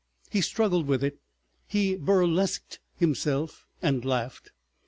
He struggled with it, he burlesqued himself, and laughed.